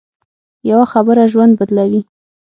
یوه خبره ژوند بدلوي